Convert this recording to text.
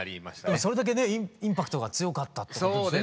でもそれだけねインパクトが強かったってことですよね。